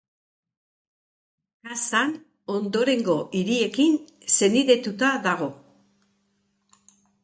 Kazan ondorengo hiriekin senidetuta dago.